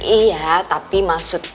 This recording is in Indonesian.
iya tapi maksud